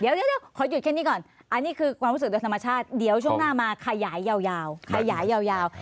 เดี๋ยวขอหยุดแค่นี้ก่อนอันนี้คือความรู้สึกโดยธรรมชาติเดี๋ยวช่วงหน้ามาขยายยาวขยายยาว